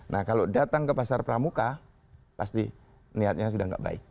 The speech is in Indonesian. nah kalau datang ke pasar pramuka pasti niatnya sudah tidak baik